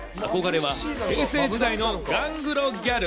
憧れは、平成時代のガングロギャグ。